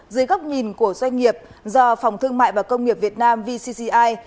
dưới góc nhìn của doanh nghiệp do phòng thương mại và công nghiệp việt nam vcci